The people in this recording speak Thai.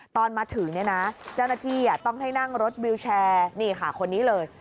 ตอนมาถึงเนี่ยนะเจ้าหน้าที่ต้องให้นั่งรถวิวแชร์นี่ค่ะคนนี้เลย